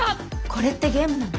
これってゲームなの？